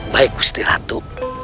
baik gusti ratu